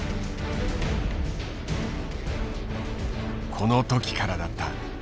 この時からだった。